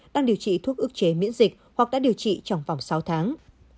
đang điều trị thuốc ước chế miễn dịch hoặc đã điều trị trong vòng sáu tháng